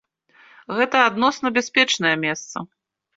Гэта адносна бяспечнае месца.